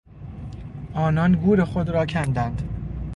آنان گور خود را کندند.